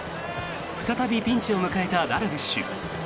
再びピンチを迎えたダルビッシュ。